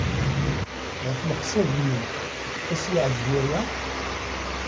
Ɣef leḥsab-nnem, ad as-yeɛjeb waya?